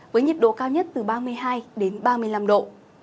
với nhiệt độ cao nhất từ ba mươi hai đến ba mươi năm độ